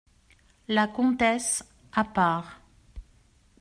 La comtesse , à part.